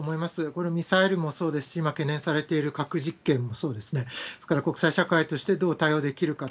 このミサイルもそうですし、懸念されている核実験もそうですね、ですから、国際社会としてどう対応できるか。